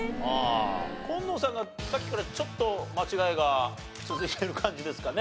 紺野さんがさっきからちょっと間違いが続いてる感じですかね。